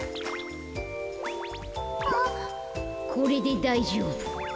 これでだいじょうぶ。